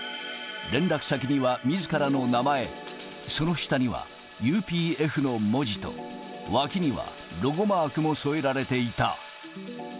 連絡先にはみずからの名前、その下には、ＵＰＦの文字と脇にはロゴマークも添えられていた。